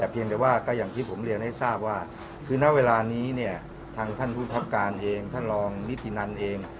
เพียงแต่ว่าก็อย่างที่ผมเรียนให้ทราบว่าคือณเวลานี้เนี่ยทางท่านภูมิครับการเองท่านรองนิธินันเอง